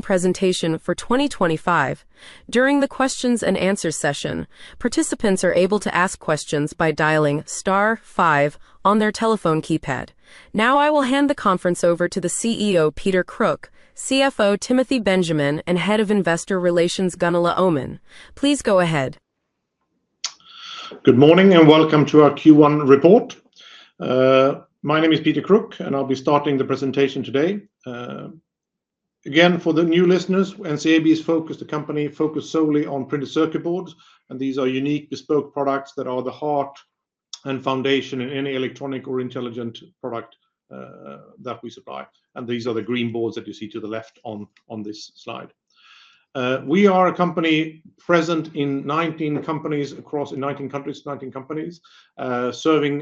Presentation for 2025. During the Q&A session, participants are able to ask questions by dialing star five on their telephone keypad. Now, I will hand the conference over to the CEO, Peter Kruk, CFO, Timothy Benjamin, and Head of Investor Relations, Gunilla Öhman. Please go ahead. Good morning and welcome to our Q1 report. My name is Peter Kruk, and I'll be starting the presentation today. Again, for the new listeners, NCAB is the company focused solely on printed circuit boards, and these are unique, bespoke products that are the heart and foundation in any electronic or intelligent product that we supply. These are the green boards that you see to the left on this slide. We are a company present in 19 countries, serving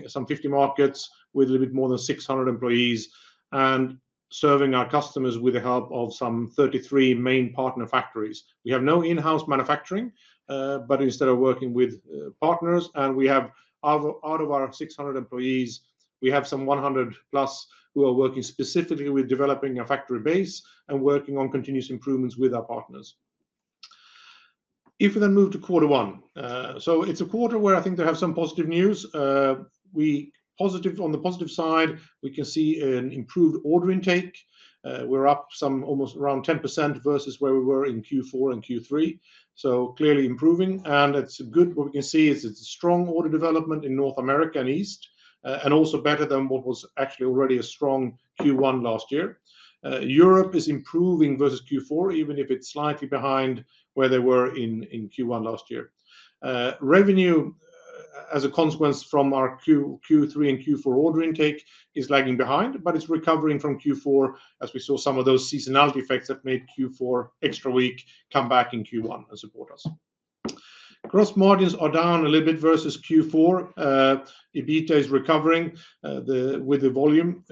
some 50 markets with a little bit more than 600 employees, and serving our customers with the help of some 33 main partner factories. We have no in-house manufacturing, but instead are working with partners, and out of our 600 employees, we have some 100 plus who are working specifically with developing a factory base and working on continuous improvements with our partners. If we then move to Q1, it is a quarter where I think they have some positive news. On the positive side, we can see an improved order intake. We are up some almost around 10% versus where we were in Q4 and Q3, so clearly improving. It is good. What we can see is it is a strong order development in North America and East, and also better than what was actually already a strong Q1 last year. Europe is improving versus Q4, even if it is slightly behind where they were in Q1 last year. Revenue, as a consequence from our Q3 and Q4 order intake, is lagging behind, but it is recovering from Q4, as we saw some of those seasonality effects that made Q4 extra weak come back in Q1 and support us. Gross margins are down a little bit versus Q4. EBITDA is recovering with the volume.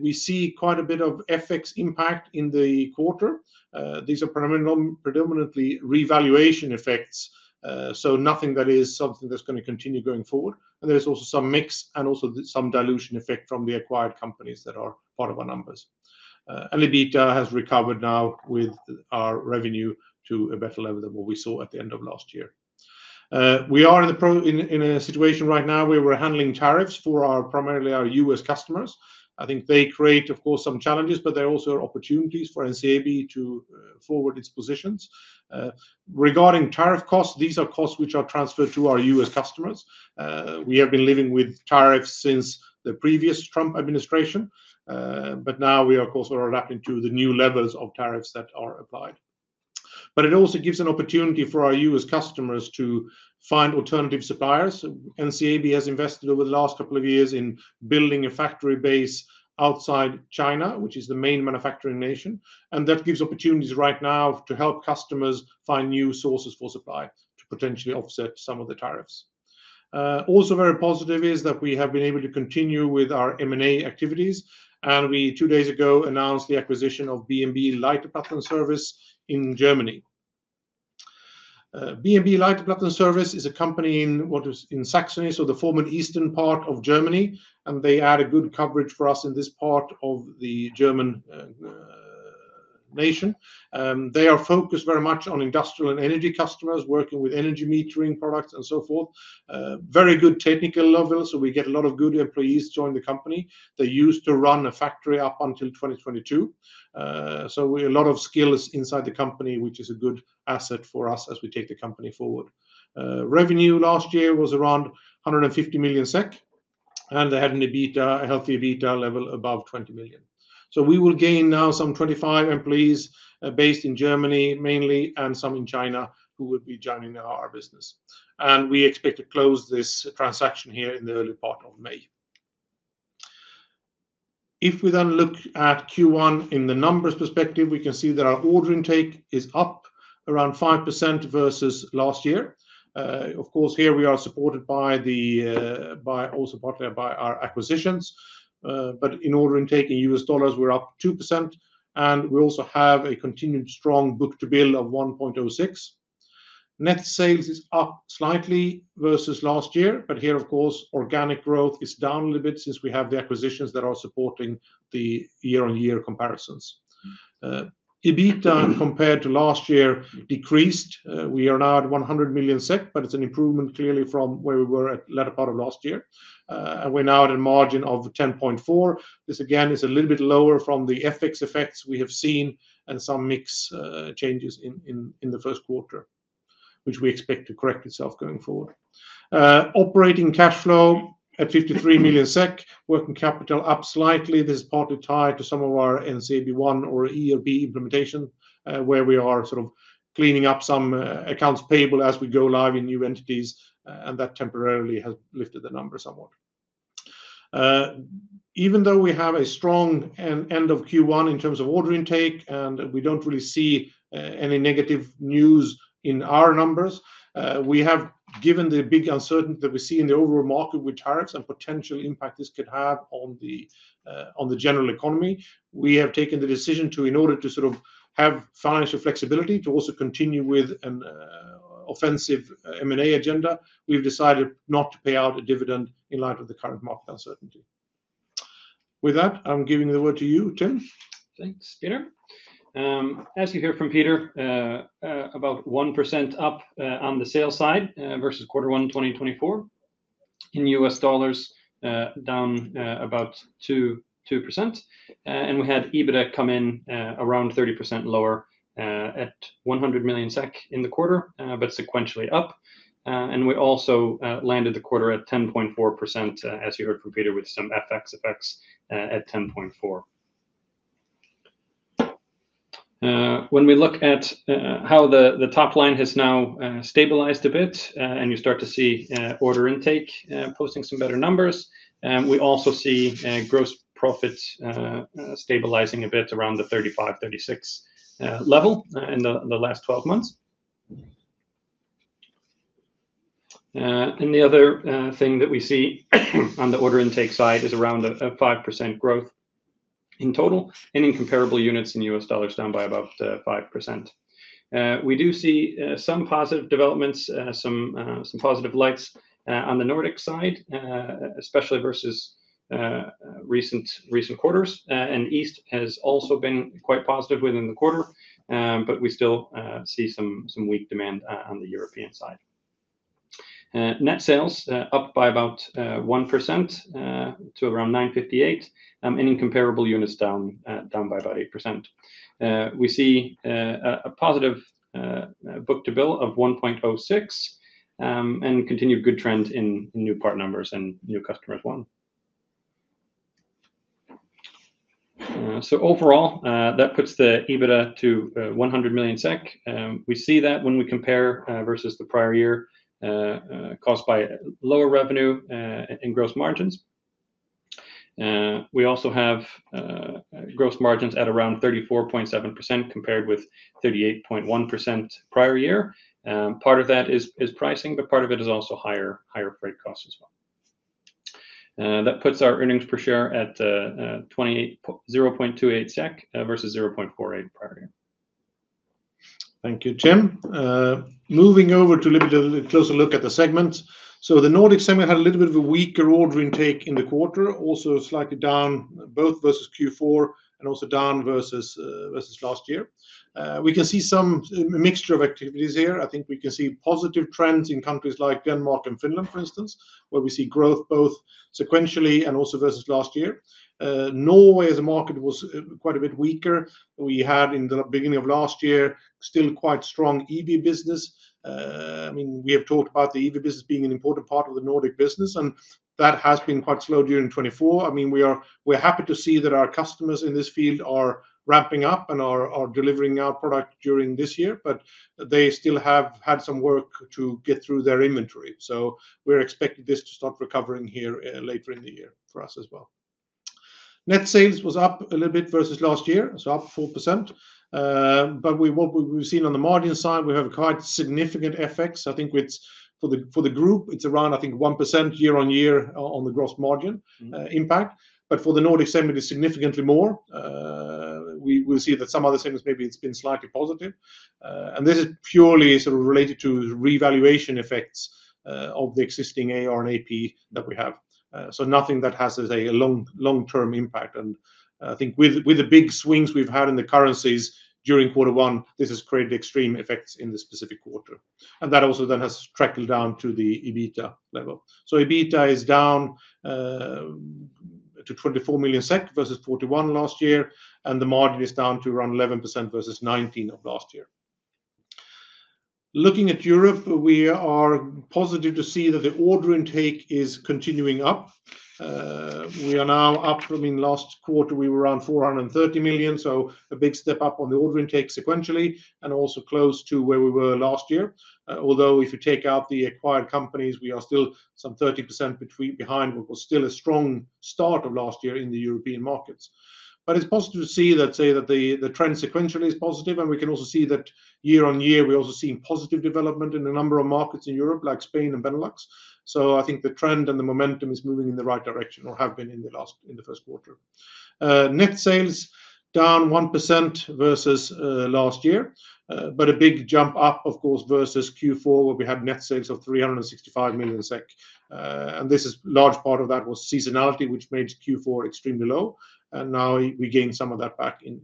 We see quite a bit of FX impact in the quarter. These are predominantly revaluation effects, so nothing that is something that's going to continue going forward. There is also some mix and also some dilution effect from the acquired companies that are part of our numbers. EBITDA has recovered now with our revenue to a better level than what we saw at the end of last year. We are in a situation right now where we're handling tariffs for primarily our U.S. customers. I think they create, of course, some challenges, but they also are opportunities for NCAB to forward its positions. Regarding tariff costs, these are costs which are transferred to our U.S. customers. We have been living with tariffs since the previous Trump administration, but now we are, of course, adapting to the new levels of tariffs that are applied. It also gives an opportunity for our U.S. customers to find alternative suppliers. NCAB has invested over the last couple of years in building a factory base outside China, which is the main manufacturing nation, and that gives opportunities right now to help customers find new sources for supply to potentially offset some of the tariffs. Also very positive is that we have been able to continue with our M&A activities, and we, two days ago, announced the acquisition of B&B Leiterplattenservice in Germany. B&B Leiterplattenservice is a company in what is in Saxony, so the former eastern part of Germany, and they add a good coverage for us in this part of the German nation. They are focused very much on industrial and energy customers, working with energy metering products and so forth. Very good technical level, so we get a lot of good employees to join the company. They used to run a factory up until 2022, so a lot of skills inside the company, which is a good asset for us as we take the company forward. Revenue last year was around 150 million SEK, and they had an EBITDA, a healthy EBITDA level above 20 million. We will gain now some 25 employees based in Germany mainly and some in China who will be joining our business. We expect to close this transaction here in the early part of May. If we then look at Q1 in the numbers perspective, we can see that our order intake is up around 5% versus last year. Of course, here we are supported by the, also partly by our acquisitions, but in order intake in U.S. dollars, we're up 2%, and we also have a continued strong book-to-bill of 1.06. Net sales is up slightly versus last year, but here, of course, organic growth is down a little bit since we have the acquisitions that are supporting the year-on-year comparisons. EBITDA compared to last year decreased. We are now at 100 million, but it's an improvement clearly from where we were at the latter part of last year. We're now at a margin of 10.4%. This, again, is a little bit lower from the FX effects we have seen and some mix changes in the first quarter, which we expect to correct itself going forward. Operating cash flow at 53 million SEK, working capital up slightly. This is partly tied to some of our NCAB One or ERP implementation, where we are sort of cleaning up some accounts payable as we go live in new entities, and that temporarily has lifted the number somewhat. Even though we have a strong end of Q1 in terms of order intake and we do not really see any negative news in our numbers, we have, given the big uncertainty that we see in the overall market with tariffs and potential impact this could have on the general economy, we have taken the decision to, in order to sort of have financial flexibility, to also continue with an offensive M&A agenda, we have decided not to pay out a dividend in light of the current market uncertainty. With that, I am giving the word to you, Tim. Thanks, Peter. As you hear from Peter, about 1% up on the sales side versus Q1 2024 in U.S. dollars, down about 2%. We had EBITDA come in around 30% lower at 100 million SEK in the quarter, but sequentially up. We also landed the quarter at 10.4%, as you heard from Peter, with some FX effects at 10.4%. When we look at how the top line has now stabilized a bit and you start to see order intake posting some better numbers, we also see gross profits stabilizing a bit around the 35%-36% level in the last 12 months. The other thing that we see on the order intake side is around a 5% growth in total and in comparable units in US dollars, down by about 5%. We do see some positive developments, some positive lights on the Nordic side, especially versus recent quarters. East has also been quite positive within the quarter, but we still see some weak demand on the European side. Net sales up by about 1% to around 958 million and in comparable units down by about 8%. We see a positive book to bill of 1.06 and continued good trend in new part numbers and new customers won. Overall, that puts the EBITDA to 100 million SEK. We see that when we compare versus the prior year caused by lower revenue and gross margins. We also have gross margins at around 34.7% compared with 38.1% prior year. Part of that is pricing, but part of it is also higher freight costs as well. That puts our earnings per share at 0.28 SEK versus 0.48 prior year. Thank you, Tim. Moving over to a little bit closer look at the segments. The Nordic segment had a little bit of a weaker order intake in the quarter, also slightly down both versus Q4 and also down versus last year. We can see some mixture of activities here. I think we can see positive trends in countries like Denmark and Finland, for instance, where we see growth both sequentially and also versus last year. Norway, as a market, was quite a bit weaker. We had, in the beginning of last year, still quite strong EV business. I mean, we have talked about the EV business being an important part of the Nordic business, and that has been quite slow during 2024. I mean, we're happy to see that our customers in this field are ramping up and are delivering our product during this year, but they still have had some work to get through their inventory. We're expecting this to start recovering here later in the year for us as well. Net sales was up a little bit versus last year, so up 4%. What we've seen on the margin side, we have quite significant FX. I think for the group, it's around, I think, 1% year on year on the gross margin impact. For the Nordic segment, it's significantly more. We'll see that some other segments, maybe it's been slightly positive. This is purely sort of related to revaluation effects of the existing AR and AP that we have. Nothing that has a long-term impact. I think with the big swings we've had in the currencies during Q1, this has created extreme effects in the specific quarter. That also then has tracked down to the EBITDA level. EBITDA is down to 24 million SEK versus 41 million last year, and the margin is down to around 11% versus 19% of last year. Looking at Europe, we are positive to see that the order intake is continuing up. We are now up from, I mean, last quarter, we were around 430 million, so a big step up on the order intake sequentially and also close to where we were last year. Although if you take out the acquired companies, we are still some 30% behind, but it was still a strong start of last year in the European markets. It is positive to see that, say, the trend sequentially is positive, and we can also see that year on year, we are also seeing positive development in a number of markets in Europe, like Spain and Benelux. I think the trend and the momentum is moving in the right direction or have been in the first quarter. Net sales down 1% versus last year, but a big jump up, of course, versus Q4, where we had net sales of 365 million SEK. A large part of that was seasonality, which made Q4 extremely low, and now we gained some of that back in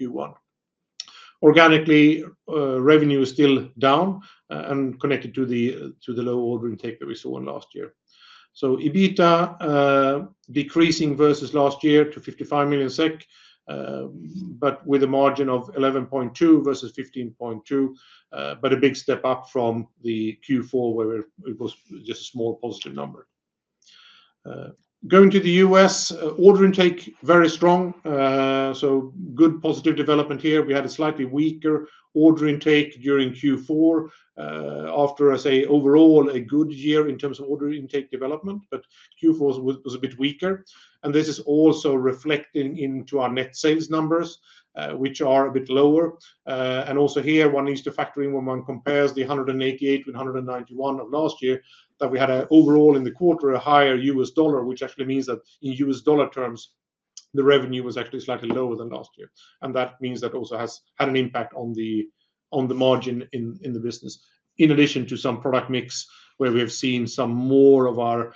Q1. Organically, revenue is still down and connected to the low order intake that we saw in last year. EBITDA decreasing versus last year to 55 million SEK, but with a margin of 11.2% versus 15.2%, but a big step up from the Q4, where it was just a small positive number. Going to the U.S., order intake very strong, so good positive development here. We had a slightly weaker order intake during Q4 after, I say, overall a good year in terms of order intake development, but Q4 was a bit weaker. This is also reflecting into our net sales numbers, which are a bit lower. Also here, one needs to factor in when one compares the 188 with 191 of last year, that we had overall in the quarter a higher U.S. dollar, which actually means that in U.S. dollar terms, the revenue was actually slightly lower than last year. That means that also has had an impact on the margin in the business, in addition to some product mix where we have seen some more of our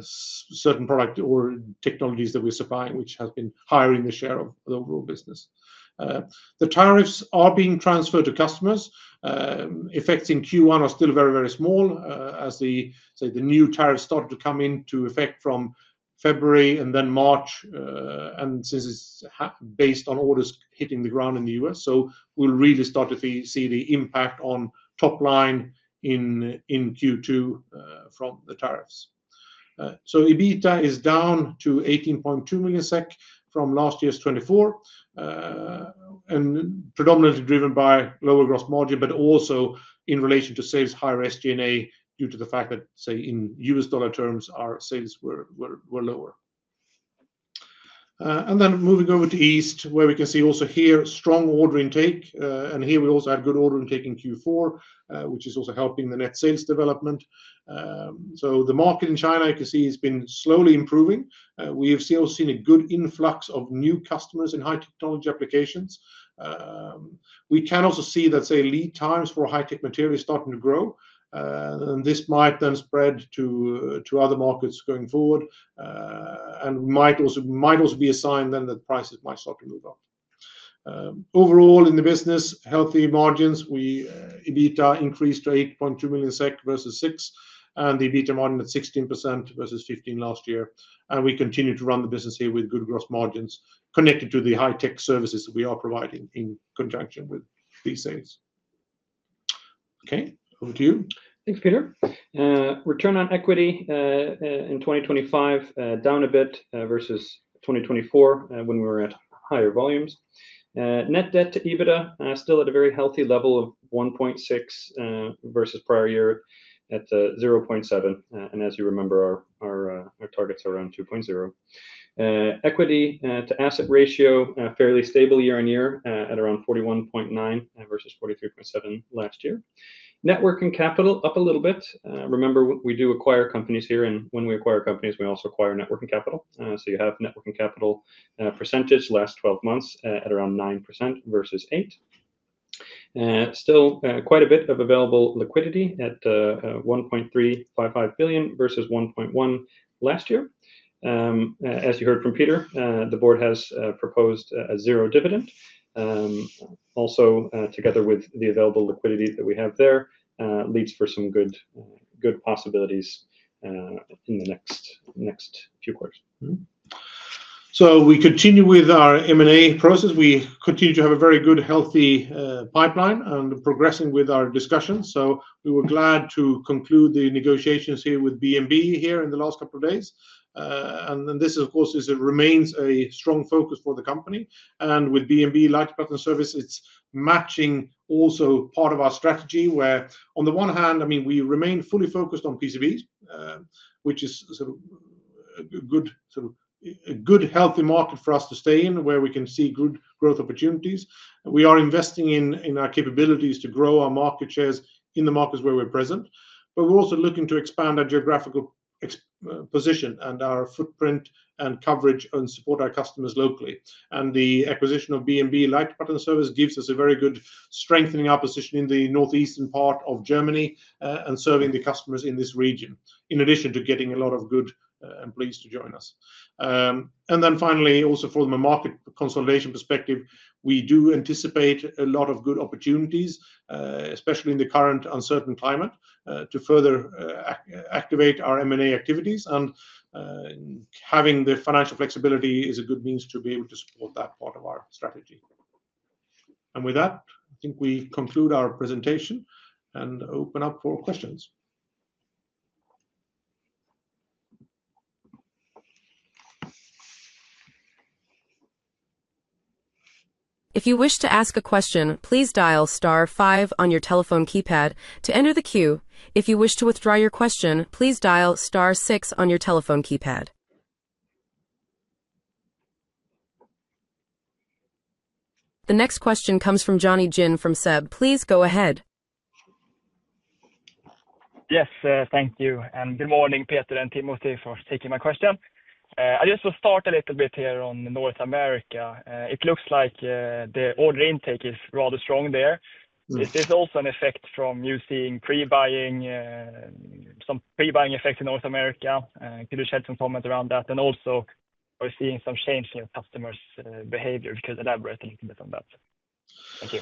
certain product or technologies that we're supplying, which has been higher in the share of the overall business. The tariffs are being transferred to customers. Effects in Q1 are still very, very small as the new tariffs started to come into effect from February and then March, and since it's based on orders hitting the ground in the U.S., we will really start to see the impact on top line in Q2 from the tariffs. EBITDA is down to 18.2 million SEK from last year's 24 million, and predominantly driven by lower gross margin, but also in relation to sales higher SG&A due to the fact that, say, in U.S. dollar terms, our sales were lower. Moving over to East, where we can see also here strong order intake, and here we also had good order intake in Q4, which is also helping the net sales development. The market in China, you can see, has been slowly improving. We have still seen a good influx of new customers in high technology applications. We can also see that, say, lead times for high tech materials starting to grow, and this might then spread to other markets going forward, and might also be a sign then that prices might start to move up. Overall, in the business, healthy margins, EBITDA increased to 8.2 million SEK versus 6, and the EBITDA margin at 16% versus 15% last year. We continue to run the business here with good gross margins connected to the high tech services that we are providing in conjunction with these sales. Okay, over to you. Thanks, Peter. Return on equity in 2025 down a bit versus 2024 when we were at higher volumes. Net debt to EBITDA still at a very healthy level of 1.6 versus prior year at 0.7, and as you remember, our targets are around 2.0. Equity to asset ratio fairly stable year on year at around 41.9% versus 43.7% last year. Net working capital up a little bit. Remember, we do acquire companies here, and when we acquire companies, we also acquire net working capital. So you have net working capital percentage last 12 months at around 9% versus 8%. Still quite a bit of available liquidity at 1.355 billion versus 1.1 billion last year. As you heard from Peter, the board has proposed a zero dividend. Also, together with the available liquidity that we have there, leads for some good possibilities in the next few quarters. We continue with our M&A process. We continue to have a very good, healthy pipeline and progressing with our discussions. We were glad to conclude the negotiations here with B&B Leiterplattenservice GmbH here in the last couple of days. This, of course, remains a strong focus for the company. With B&B Leiterplattenservice GmbH, it is matching also part of our strategy where, on the one hand, I mean, we remain fully focused on PCBs, which is sort of a good, healthy market for us to stay in, where we can see good growth opportunities. We are investing in our capabilities to grow our market shares in the markets where we're present, but we're also looking to expand our geographical position and our footprint and coverage and support our customers locally. The acquisition of B&B Leiterplattenservice GmbH gives us a very good strengthening of our position in the northeastern part of Germany and serving the customers in this region, in addition to getting a lot of good employees to join us. Finally, also from a market consolidation perspective, we do anticipate a lot of good opportunities, especially in the current uncertain climate, to further activate our M&A activities. Having the financial flexibility is a good means to be able to support that part of our strategy. With that, I think we conclude our presentation and open up for questions. If you wish to ask a question, please dial star five on your telephone keypad to enter the queue. If you wish to withdraw your question, please dial star six on your telephone keypad. The next question comes from Jonny Jin from SEB. Please go ahead. Yes, thank you. Good morning, Peter and Timothy, for taking my question. I just will start a little bit here on North America. It looks like the order intake is rather strong there. Is this also an effect from you seeing pre-buying, some pre-buying effect in North America? Could you share some comments around that? Also, are you seeing some change in your customers' behavior? Could you elaborate a little bit on that? Thank you.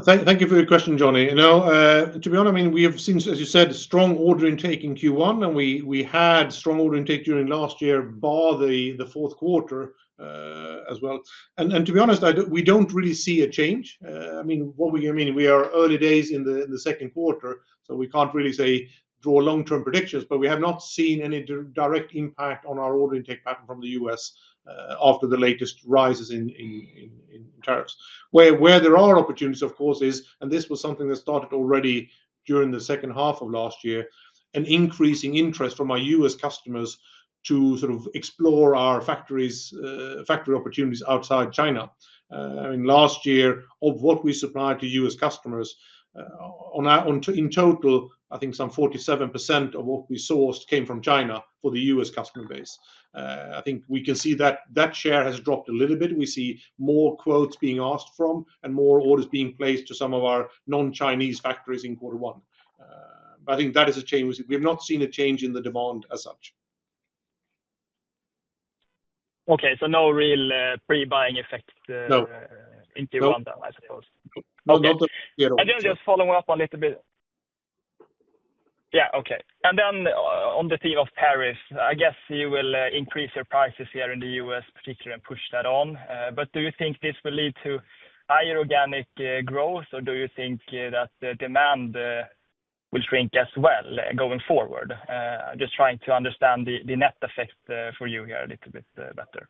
Thank you for your question, Jonny. Now, to be honest, I mean, we have seen, as you said, strong order intake in Q1, and we had strong order intake during last year by the fourth quarter as well. To be honest, we do not really see a change. I mean, what we mean, we are early days in the second quarter, so we cannot really say draw long-term predictions, but we have not seen any direct impact on our order intake pattern from the U.S. after the latest rises in tariffs. Where there are opportunities, of course, is, and this was something that started already during the second half of last year, an increasing interest from our U.S. customers to sort of explore our factory opportunities outside China. I mean, last year, of what we supplied to U.S. customers, in total, I think some 47% of what we sourced came from China for the U.S. customer base. I think we can see that that share has dropped a little bit. We see more quotes being asked from and more orders being placed to some of our non-Chinese factories in quarter one. I think that is a change. We have not seen a change in the demand as such. Okay, so no real pre-buying effect into one, though, I suppose. Not yet. I'm just following up on a little bit. Okay. On the theme of tariffs, I guess you will increase your prices here in the U.S., particularly and push that on. Do you think this will lead to higher organic growth, or do you think that demand will shrink as well going forward? Just trying to understand the net effect for you here a little bit better.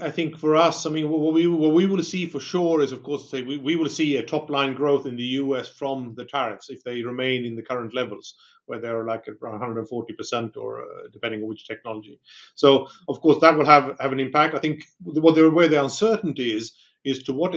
I think for us, I mean, what we will see for sure is, of course, we will see a top line growth in the U.S. from the tariffs if they remain in the current levels, whether they're like around 140% or depending on which technology. Of course, that will have an impact. I think where the uncertainty is, is to what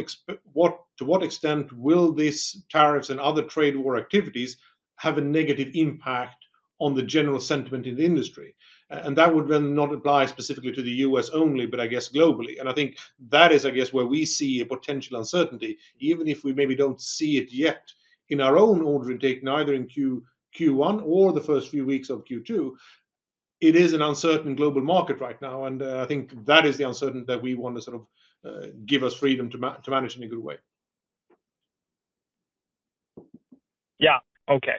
extent will these tariffs and other trade war activities have a negative impact on the general sentiment in the industry? That would then not apply specifically to the U.S. only, but I guess globally. I think that is, I guess, where we see a potential uncertainty, even if we maybe don't see it yet in our own order intake, neither in Q1 or the first few weeks of Q2. It is an uncertain global market right now, and I think that is the uncertainty that we want to sort of give us freedom to manage in a good way. Yeah, okay.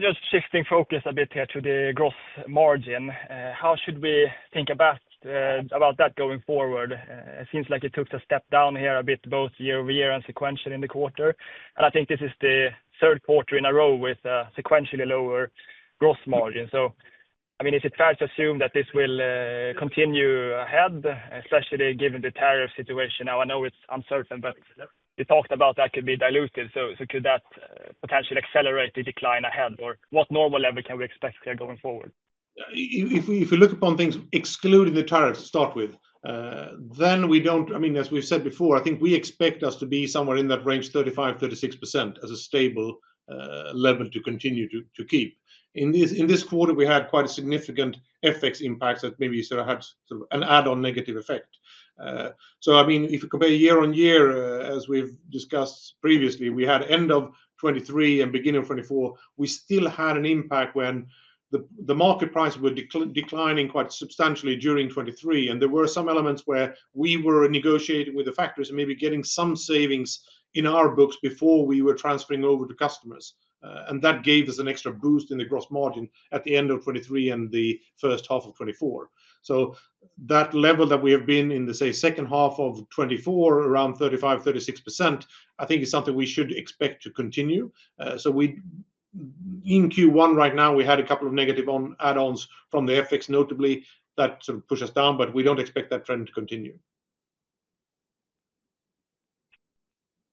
Just shifting focus a bit here to the gross margin. How should we think about that going forward? It seems like it took a step down here a bit, both year over year and sequentially in the quarter. I think this is the third quarter in a row with a sequentially lower gross margin. I mean, is it fair to assume that this will continue ahead, especially given the tariff situation? Now, I know it's uncertain, but you talked about that could be diluted. Could that potentially accelerate the decline ahead, or what normal level can we expect here going forward? If we look upon things excluding the tariffs to start with, then we don't, I mean, as we've said before, I think we expect us to be somewhere in that range, 35%-36% as a stable level to continue to keep. In this quarter, we had quite a significant FX impact that maybe sort of had an add-on negative effect. I mean, if you compare year on year, as we've discussed previously, we had end of 2023 and beginning of 2024, we still had an impact when the market price were declining quite substantially during 2023. There were some elements where we were negotiating with the factories and maybe getting some savings in our books before we were transferring over to customers. That gave us an extra boost in the gross margin at the end of 2023 and the first half of 2024. That level that we have been in the, say, second half of 2024, around 35%-36%, I think is something we should expect to continue. In Q1 right now, we had a couple of negative add-ons from the FX, notably that sort of push us down, but we do not expect that trend to continue.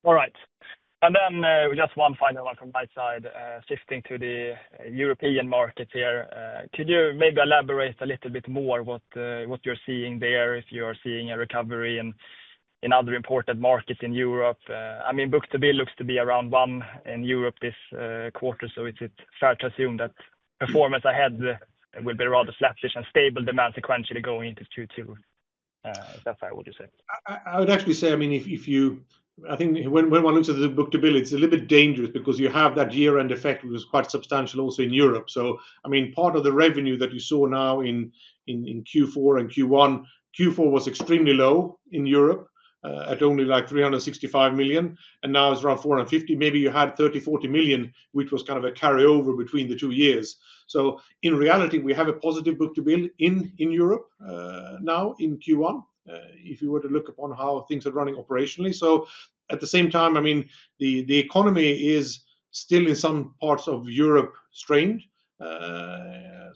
All right. Just one final one from my side, shifting to the European markets here. Could you maybe elaborate a little bit more on what you're seeing there, if you're seeing a recovery in other important markets in Europe? I mean, book to bill looks to be around one in Europe this quarter, so is it fair to assume that performance ahead will be rather sloppy and stable demand sequentially going into Q2? Is that fair what you say? I would actually say, I mean, if you, I think when one looks at the book-to-bill, it's a little bit dangerous because you have that year-end effect, which was quite substantial also in Europe. I mean, part of the revenue that you saw now in Q4 and Q1, Q4 was extremely low in Europe at only like 365 million, and now it's around 450 million. Maybe you had 30-40 million, which was kind of a carryover between the two years. In reality, we have a positive book-to-bill in Europe now in Q1, if you were to look upon how things are running operationally. At the same time, I mean, the economy is still in some parts of Europe strained. I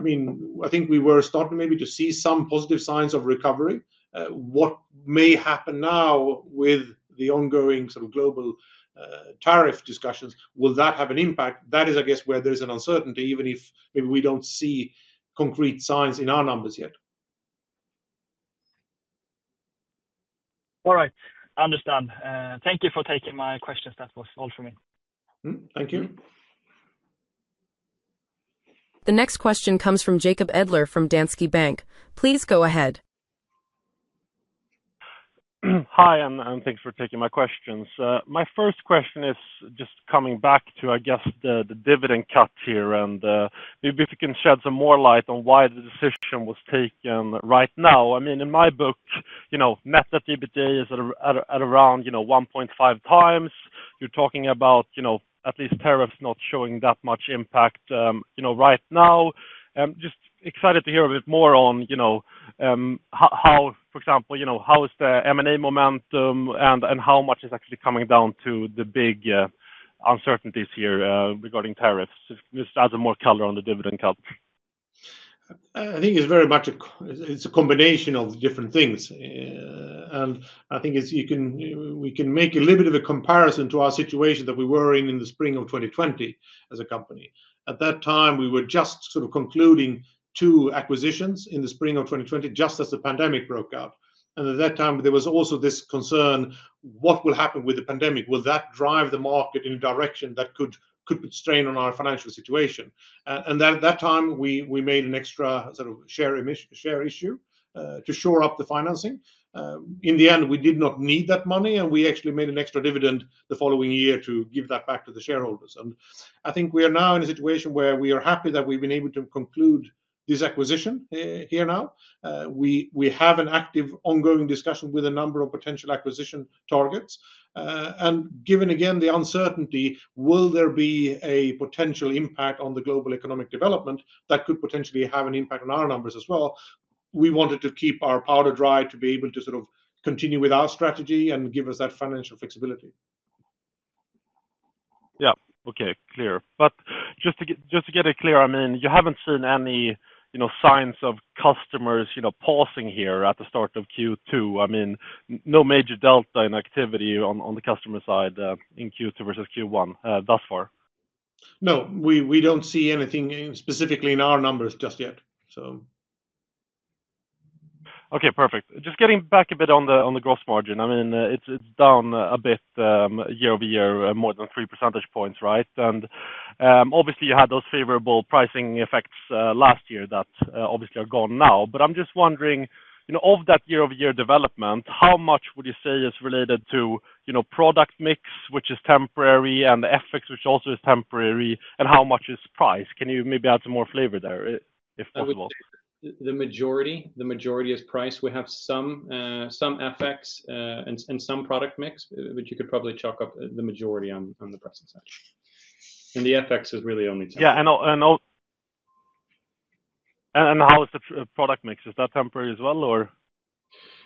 mean, I think we were starting maybe to see some positive signs of recovery. What may happen now with the ongoing sort of global tariff discussions, will that have an impact? That is, I guess, where there is an uncertainty, even if maybe we do not see concrete signs in our numbers yet. All right. I understand. Thank you for taking my questions. That was all for me. Thank you. The next question comes from Jacob Edler from Danske Bank. Please go ahead. Hi, and thanks for taking my questions. My first question is just coming back to, I guess, the dividend cut here, and maybe if you can shed some more light on why the decision was taken right now. I mean, in my book, net activity is at around 1.5 times. You're talking about at least tariffs not showing that much impact right now. I'm just excited to hear a bit more on how, for example, how is the M&A momentum and how much is actually coming down to the big uncertainties here regarding tariffs? Just adds more color on the dividend cut. I think it's very much a combination of different things. I think we can make a little bit of a comparison to our situation that we were in in the spring of 2020 as a company. At that time, we were just sort of concluding two acquisitions in the spring of 2020, just as the pandemic broke out. At that time, there was also this concern, what will happen with the pandemic? Will that drive the market in a direction that could put strain on our financial situation? At that time, we made an extra sort of share issue to shore up the financing. In the end, we did not need that money, and we actually made an extra dividend the following year to give that back to the shareholders. I think we are now in a situation where we are happy that we've been able to conclude this acquisition here now. We have an active ongoing discussion with a number of potential acquisition targets. Given again the uncertainty, will there be a potential impact on the global economic development that could potentially have an impact on our numbers as well? We wanted to keep our powder dry to be able to sort of continue with our strategy and give us that financial flexibility. Yeah, okay, clear. Just to get it clear, I mean, you haven't seen any signs of customers pausing here at the start of Q2. I mean, no major delta in activity on the customer side in Q2 versus Q1 thus far? No, we don't see anything specifically in our numbers just yet. Okay, perfect. Just getting back a bit on the gross margin. I mean, it's down a bit year over year, more than three percentage points, right? Obviously, you had those favorable pricing effects last year that obviously are gone now. I'm just wondering, of that year-over-year development, how much would you say is related to product mix, which is temporary, and the FX, which also is temporary, and how much is price? Can you maybe add some more flavor there if possible? The majority is price. We have some FX and some product mix, but you could probably chalk up the majority on the pricing side. The FX is really only time. Yeah, and how is the product mix? Is that temporary as well, or?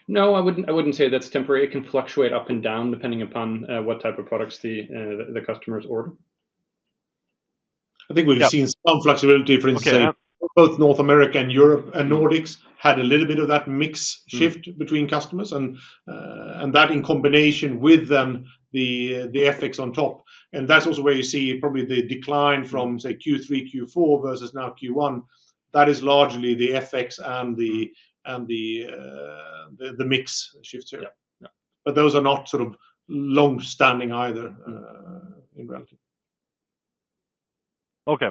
No, I wouldn't say that's temporary. It can fluctuate up and down depending upon what type of products the customers order. I think we've seen some flexibility, for instance, both North America and Nordics had a little bit of that mix shift between customers, and that in combination with the FX on top. That is also where you see probably the decline from, say, Q3, Q4 versus now Q1. That is largely the FX and the mix shifts here. Those are not sort of long-standing either in reality. Okay,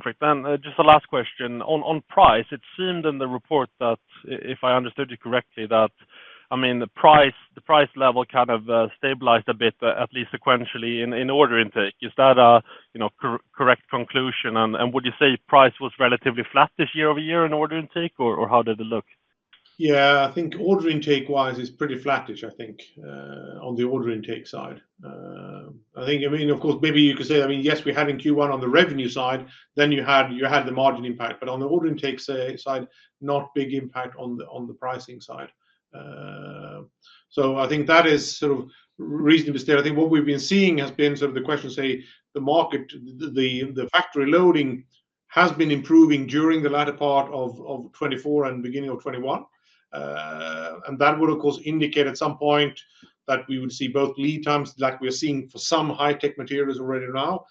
perfect. Just the last question. On price, it seemed in the report that, if I understood you correctly, that, I mean, the price level kind of stabilized a bit, at least sequentially, in order intake. Is that a correct conclusion? Would you say price was relatively flat this year-over-year in order intake, or how did it look? Yeah, I think order intake-wise is pretty flattish, I think, on the order intake side. I think, I mean, of course, maybe you could say, I mean, yes, we had in Q1 on the revenue side, then you had the margin impact. On the order intake side, not big impact on the pricing side. I think that is sort of reasonably stable. I think what we've been seeing has been sort of the question, say, the market, the factory loading has been improving during the latter part of 2024 and beginning of 2021. That would, of course, indicate at some point that we would see both lead times like we are seeing for some high-tech materials already now,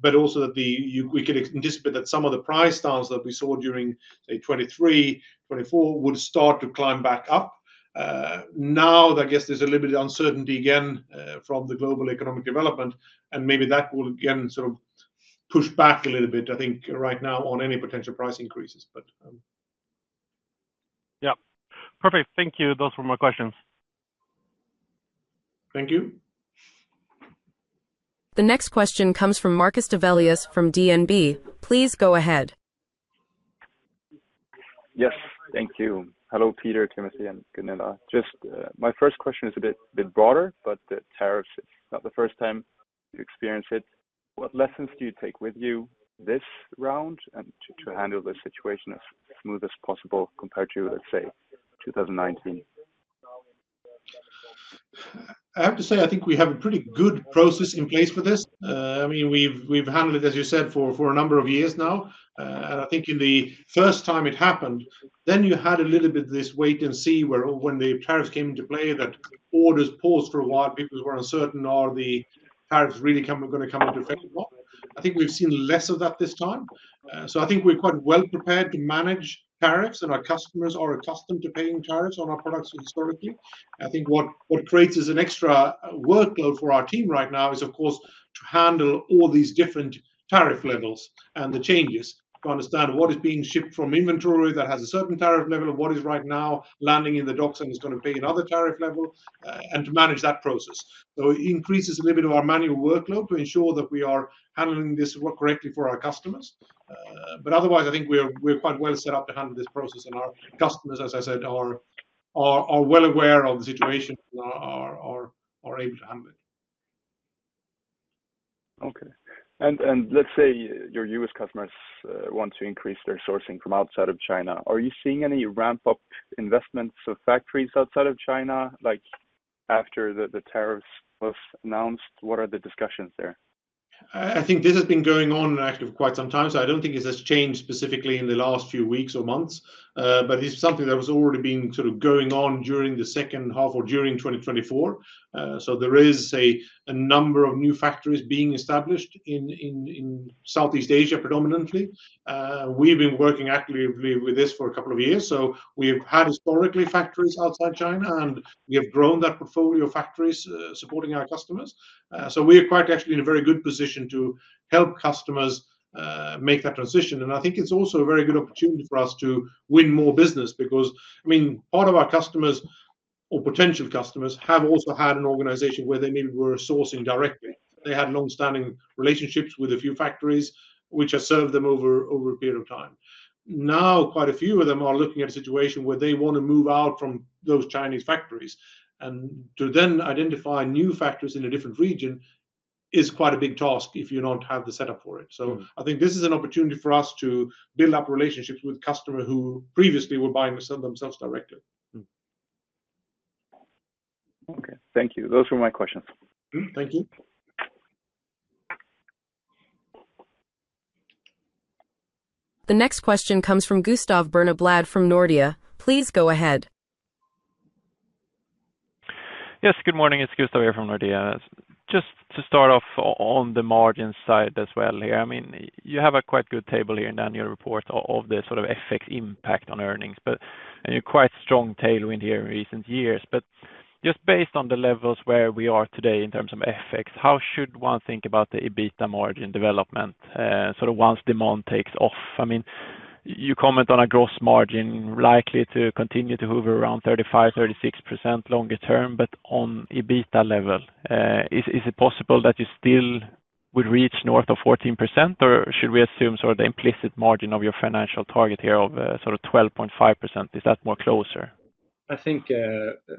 but also that we could anticipate that some of the price stance that we saw during, say, 2023, 2024 would start to climb back up. Now, I guess there's a little bit of uncertainty again from the global economic development, and maybe that will again sort of push back a little bit, I think, right now on any potential price increases. Yeah, perfect. Thank you. Those were my questions. Thank you. The next question comes from Marcus Develius from DNB. Please go ahead. Yes, thank you. Hello, Peter, Timothy, and Gunilla. Just my first question is a bit broader, but the tariffs, it's not the first time you experience it. What lessons do you take with you this round and to handle the situation as smooth as possible compared to, let's say, 2019? I have to say, I think we have a pretty good process in place for this. I mean, we've handled it, as you said, for a number of years now. I think in the first time it happened, then you had a little bit of this wait and see where when the tariffs came into play that orders paused for a while, people were uncertain, are the tariffs really going to come into effect or not? I think we've seen less of that this time. I think we're quite well prepared to manage tariffs, and our customers are accustomed to paying tariffs on our products historically. I think what creates an extra workload for our team right now is, of course, to handle all these different tariff levels and the changes to understand what is being shipped from inventory that has a certain tariff level, what is right now landing in the docks and is going to pay another tariff level, and to manage that process. It increases a little bit of our manual workload to ensure that we are handling this correctly for our customers. Otherwise, I think we're quite well set up to handle this process, and our customers, as I said, are well aware of the situation and are able to handle it. Okay. Let's say your U.S. customers want to increase their sourcing from outside of China. Are you seeing any ramp-up investments of factories outside of China after the tariffs were announced? What are the discussions there? I think this has been going on actually for quite some time. I don't think it has changed specifically in the last few weeks or months, but it's something that was already being sort of going on during the second half or during 2024. There is, say, a number of new factories being established in Southeast Asia predominantly. We've been working actively with this for a couple of years. We have had historically factories outside China, and we have grown that portfolio of factories supporting our customers. We are quite actually in a very good position to help customers make that transition. I think it's also a very good opportunity for us to win more business because, I mean, part of our customers or potential customers have also had an organization where they maybe were sourcing directly. They had long-standing relationships with a few factories which have served them over a period of time. Now, quite a few of them are looking at a situation where they want to move out from those Chinese factories. To then identify new factories in a different region is quite a big task if you do not have the setup for it. I think this is an opportunity for us to build up relationships with customers who previously were buying themselves directly. Okay, thank you. Those were my questions. Thank you. The next question comes from Gustav Berneblad from Nordea. Please go ahead. Yes, good morning. It's Gustav here from Nordea. Just to start off on the margin side as well here, I mean, you have a quite good table here in the annual report of the sort of FX impact on earnings, but you're quite a strong tailwind here in recent years. Just based on the levels where we are today in terms of FX, how should one think about the EBITDA margin development sort of once demand takes off? I mean, you comment on a gross margin likely to continue to hover around 35%-36% longer term, but on EBITDA level, is it possible that you still would reach north of 14%, or should we assume sort of the implicit margin of your financial target here of sort of 12.5%? Is that more closer? I think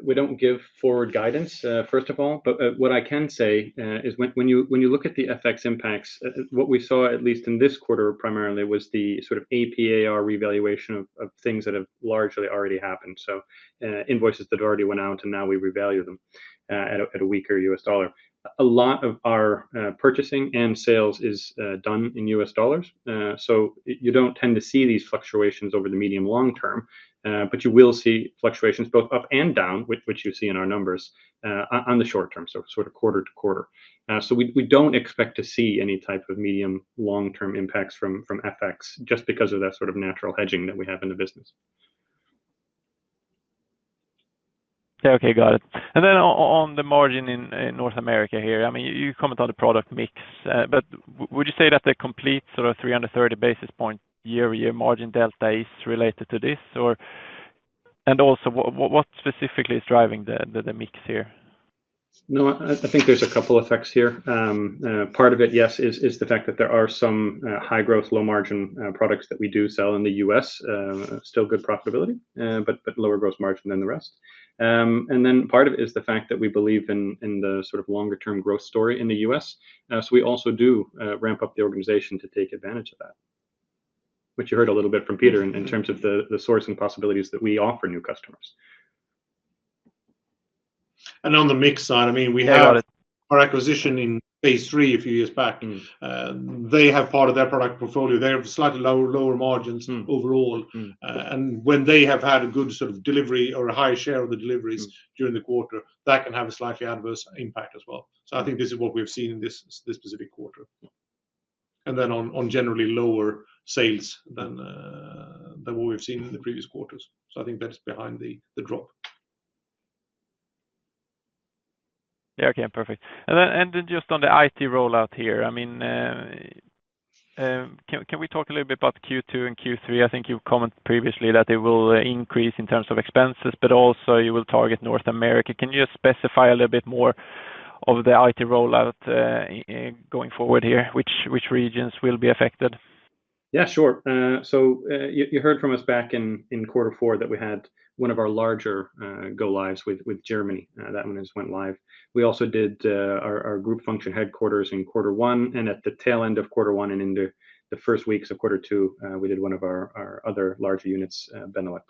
we don't give forward guidance, first of all. What I can say is when you look at the FX impacts, what we saw, at least in this quarter primarily, was the sort of AP/AR revaluation of things that have largely already happened. Invoices that already went out, and now we revalue them at a weaker U.S. dollar. A lot of our purchasing and sales is done in U.S. dollars. You don't tend to see these fluctuations over the medium long term, but you will see fluctuations both up and down, which you see in our numbers on the short term, sort of quarter to quarter. We don't expect to see any type of medium long-term impacts from FX just because of that sort of natural hedging that we have in the business. Yeah, okay, got it. Then on the margin in North America here, I mean, you comment on the product mix, but would you say that the complete sort of 330 basis point year-over-year margin delta is related to this, or? Also, what specifically is driving the mix here? No, I think there's a couple of effects here. Part of it, yes, is the fact that there are some high-growth, low-margin products that we do sell in the U.S., still good profitability, but lower gross margin than the rest. Part of it is the fact that we believe in the sort of longer-term growth story in the U.S. We also do ramp up the organization to take advantage of that, which you heard a little bit from Peter in terms of the sourcing possibilities that we offer new customers. On the mix side, I mean, we have our acquisition in Phase III a few years back. They have part of their product portfolio. They have slightly lower margins overall. When they have had a good sort of delivery or a high share of the deliveries during the quarter, that can have a slightly adverse impact as well. I think this is what we've seen in this specific quarter. On generally lower sales than what we've seen in the previous quarters, I think that's behind the drop. Yeah, okay, perfect. I mean, can we talk a little bit about Q2 and Q3? I think you commented previously that it will increase in terms of expenses, but also you will target North America. Can you just specify a little bit more of the IT rollout going forward here, which regions will be affected? Yeah, sure. You heard from us back in quarter four that we had one of our larger go-lives with Germany. That one has went live. We also did our group function headquarters in quarter one and at the tail end of quarter one and in the first weeks of quarter two, we did one of our other larger units, Benelux.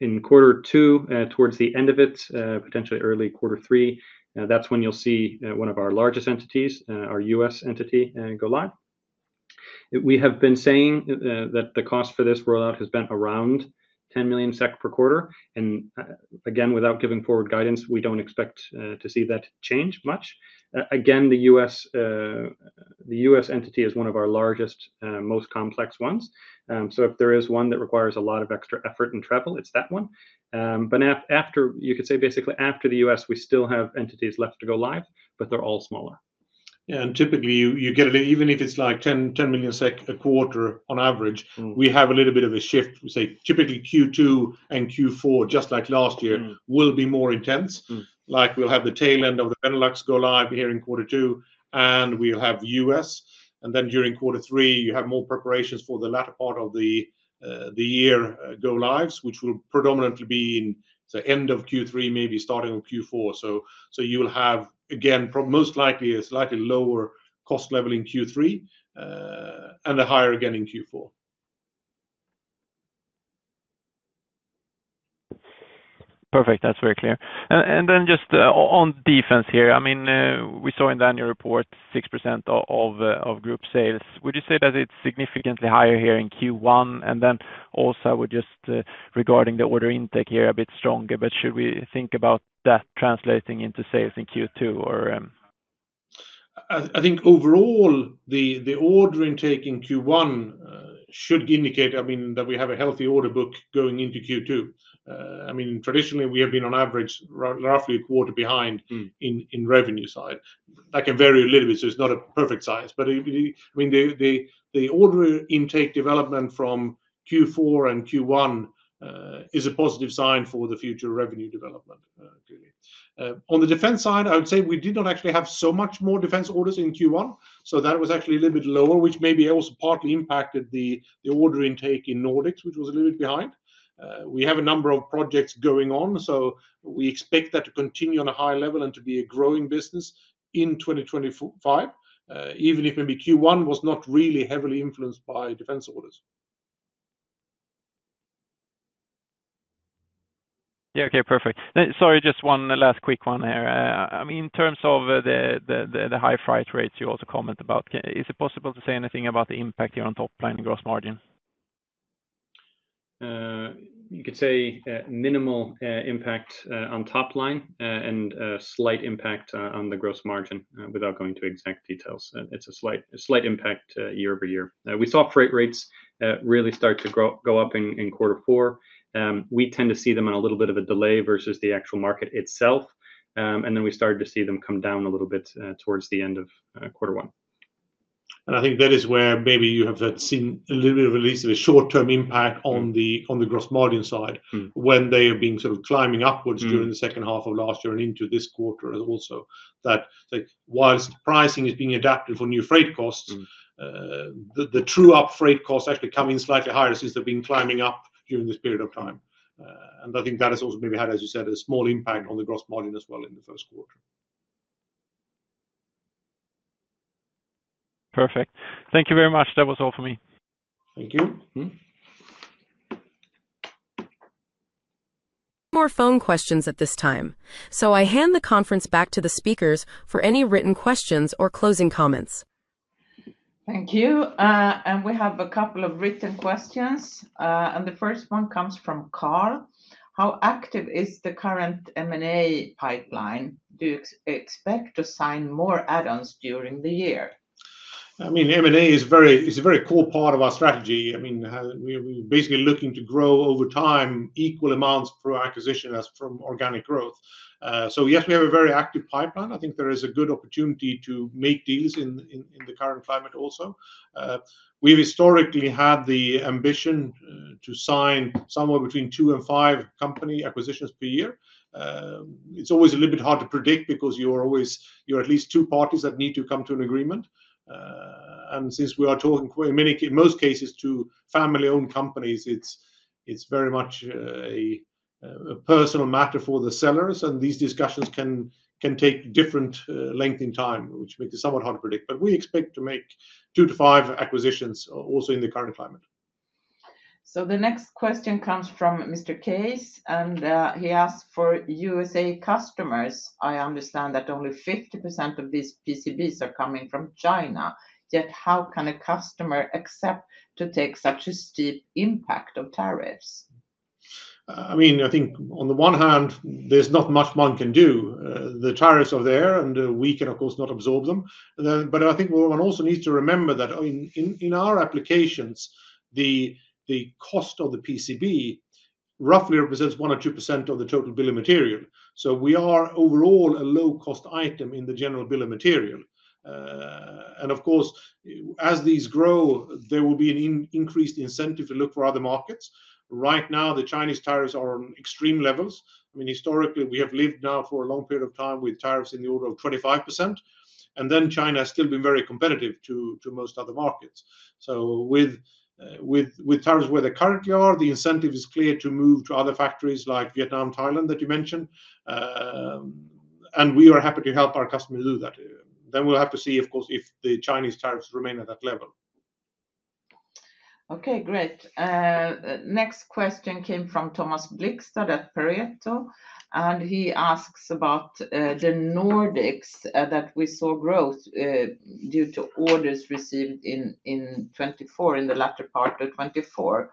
In quarter two, towards the end of it, potentially early quarter three, that's when you'll see one of our largest entities, our U.S. entity, go live. We have been saying that the cost for this rollout has been around 10 million SEK per quarter. Again, without giving forward guidance, we don't expect to see that change much. Again, the U.S. entity is one of our largest, most complex ones. If there is one that requires a lot of extra effort and travel, it's that one. After, you could say basically after the U.S., we still have entities left to go live, but they're all smaller. Yeah, and typically you get it, even if it's like 10 million SEK a quarter on average, we have a little bit of a shift. We say typically Q2 and Q4, just like last year, will be more intense. Like we'll have the tail end of the Benelux go live here in quarter two, and we'll have U.S. During quarter three, you have more preparations for the latter part of the year go-lives, which will predominantly be in the end of Q3, maybe starting of Q4. You will have, again, most likely a slightly lower cost level in Q3 and a higher again in Q4. Perfect. That is very clear. Just on defense here, I mean, we saw in the annual report 6% of group sales. Would you say that it is significantly higher here in Q1? I would just regarding the order intake here a bit stronger, but should we think about that translating into sales in Q2 or? I think overall, the order intake in Q1 should indicate, I mean, that we have a healthy order book going into Q2. I mean, traditionally, we have been on average roughly a quarter behind in revenue side. That can vary a little bit, so it's not a perfect size. I mean, the order intake development from Q4 and Q1 is a positive sign for the future revenue development. On the defense side, I would say we did not actually have so much more defense orders in Q1. That was actually a little bit lower, which maybe also partly impacted the order intake in Nordics, which was a little bit behind. We have a number of projects going on, so we expect that to continue on a high level and to be a growing business in 2025, even if maybe Q1 was not really heavily influenced by defense orders. Yeah, okay, perfect. Sorry, just one last quick one here. I mean, in terms of the high freight rates you also comment about, is it possible to say anything about the impact here on top line and gross margin? You could say minimal impact on top line and slight impact on the gross margin without going to exact details. It's a slight impact year over year. We saw freight rates really start to go up in quarter four. We tend to see them on a little bit of a delay versus the actual market itself. We started to see them come down a little bit towards the end of quarter one. I think that is where maybe you have seen a little bit of at least a short-term impact on the gross margin side when they are being sort of climbing upwards during the second half of last year and into this quarter as well. That while pricing is being adapted for new freight costs, the true up freight costs actually come in slightly higher since they've been climbing up during this period of time. I think that has also maybe had, as you said, a small impact on the gross margin as well in the first quarter. Perfect. Thank you very much. That was all for me. Thank you. More phone questions at this time. I hand the conference back to the speakers for any written questions or closing comments. Thank you. We have a couple of written questions. The first one comes from Carl. How active is the current M&A pipeline? Do you expect to sign more add-ons during the year? I mean, M&A is a very core part of our strategy. I mean, we're basically looking to grow over time equal amounts per acquisition as from organic growth. Yes, we have a very active pipeline. I think there is a good opportunity to make deals in the current climate also. We've historically had the ambition to sign somewhere between two and five company acquisitions per year. It's always a little bit hard to predict because you're always at least two parties that need to come to an agreement. Since we are talking in most cases to family-owned companies, it's very much a personal matter for the sellers. These discussions can take different length in time, which makes it somewhat hard to predict. We expect to make two to five acquisitions also in the current climate. The next question comes from Mr. Case, and he asks for U.S. customers. I understand that only 50% of these PCBs are coming from China. Yet how can a customer accept to take such a steep impact of tariffs? I mean, I think on the one hand, there's not much one can do. The tariffs are there, and we can, of course, not absorb them. I think one also needs to remember that in our applications, the cost of the PCB roughly represents 1% or 2% of the total bill of material. We are overall a low-cost item in the general bill of material. Of course, as these grow, there will be an increased incentive to look for other markets. Right now, the Chinese tariffs are on extreme levels. I mean, historically, we have lived now for a long period of time with tariffs in the order of 25%. China has still been very competitive to most other markets. With tariffs where they currently are, the incentive is clear to move to other factories like Vietnam, Thailand that you mentioned. We are happy to help our customers do that. We will have to see, of course, if the Chinese tariffs remain at that level. Okay, great. Next question came from Thomas Blixter at Pareto. And he asks about the Nordics that we saw growth due to orders received in 2024, in the latter part of 2024.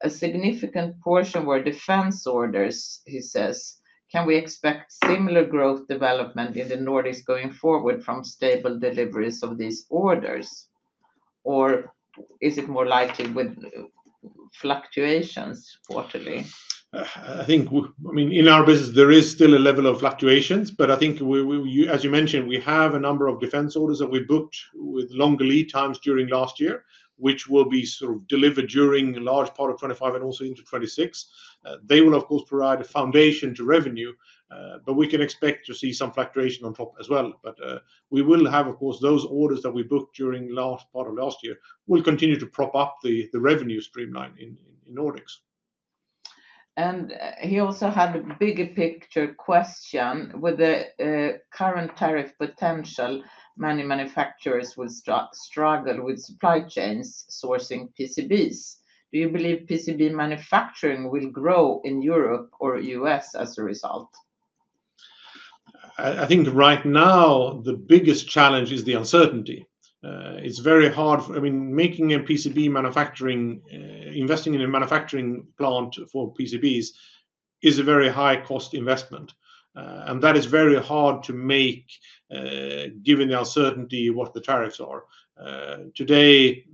A significant portion were defense orders, he says. Can we expect similar growth development in the Nordics going forward from stable deliveries of these orders? Or is it more likely with fluctuations quarterly? I think, I mean, in our business, there is still a level of fluctuations. I think, as you mentioned, we have a number of defense orders that we booked with longer lead times during last year, which will be sort of delivered during a large part of 2025 and also into 2026. They will, of course, provide a foundation to revenue, but we can expect to see some fluctuation on top as well. We will have, of course, those orders that we booked during the last part of last year will continue to prop up the revenue streamline in Nordics. He also had a bigger picture question. With the current tariff potential, many manufacturers will struggle with supply chains sourcing PCBs. Do you believe PCB manufacturing will grow in Europe or U.S. as a result? I think right now, the biggest challenge is the uncertainty. It's very hard. I mean, making a PCB manufacturing, investing in a manufacturing plant for PCBs is a very high-cost investment. That is very hard to make given the uncertainty what the tariffs are. Today,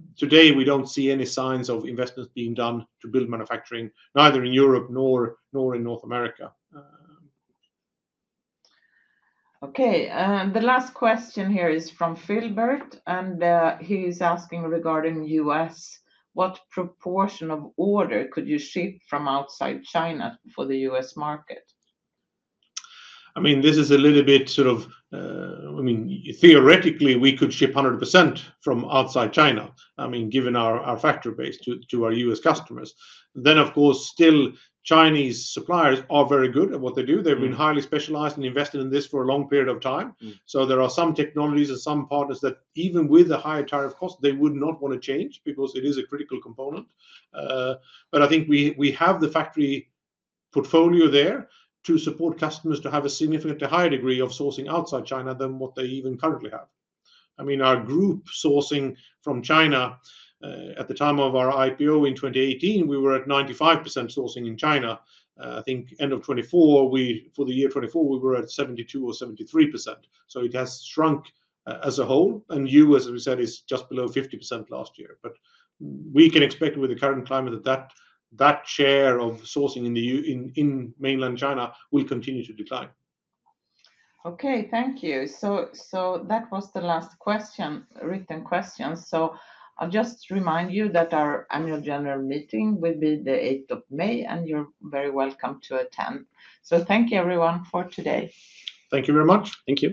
we don't see any signs of investments being done to build manufacturing, neither in Europe nor in North America. Okay. The last question here is from Philbert, and he's asking regarding U.S. What proportion of order could you ship from outside China for the U.S. market? I mean, this is a little bit sort of, I mean, theoretically, we could ship 100% from outside China, I mean, given our factory base to our U.S. customers. Of course, still, Chinese suppliers are very good at what they do. They have been highly specialized and invested in this for a long period of time. There are some technologies and some partners that even with a higher tariff cost, they would not want to change because it is a critical component. I think we have the factory portfolio there to support customers to have a significantly higher degree of sourcing outside China than what they even currently have. I mean, our group sourcing from China, at the time of our IPO in 2018, we were at 95% sourcing in China. I think end of 2024, for the year 2024, we were at 72% or 73%. It has shrunk as a whole. The U.S., as we said, is just below 50% last year. We can expect with the current climate that that share of sourcing in mainland China will continue to decline. Okay, thank you. That was the last question, written question. I will just remind you that our annual general meeting will be the 8th of May, and you are very welcome to attend. Thank you, everyone, for today. Thank you very much. Thank you.